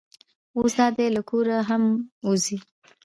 اوس دا دی له کوره هم وځي.